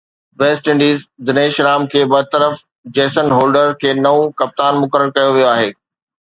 west Indies Dinesh Ram کي برطرف، Jason Holder کي نئون ڪپتان مقرر ڪيو ويو آهي